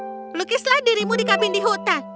melukislah dirimu di kabin di hutan